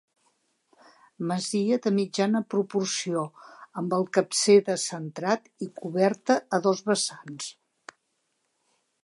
Masia de mitjana proporció amb el capcer descentrat i coberta a dos vessants.